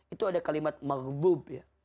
itu ada kalimat magbub ya